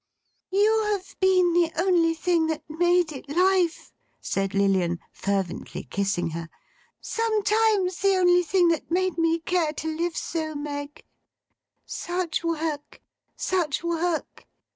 'You have been the only thing that made it life,' said Lilian, fervently kissing her; 'sometimes the only thing that made me care to live so, Meg. Such work, such work!